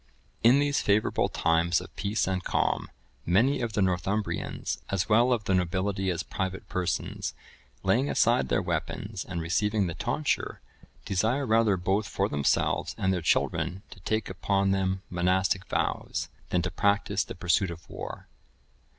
In these favourable times of peace and calm,(1030) many of the Northumbrians, as well of the nobility as private persons, laying aside their weapons, and receiving the tonsure, desire rather both for themselves and their children to take upon them monastic vows, than to practise the pursuit of war.